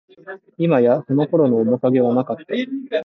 いまや、その頃の面影はなかった